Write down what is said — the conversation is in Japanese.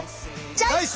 チョイス！